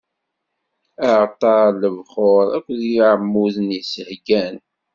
Aɛalṭar n lebxuṛ akked yeɛmuden-is heggan.